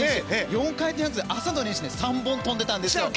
４回転、朝の練習で３本跳んでたんですよ。